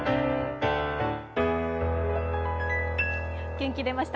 元気でました。